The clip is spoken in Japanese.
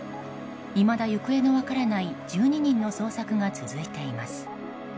いまだ行方の分からない１２人の捜索が続いています。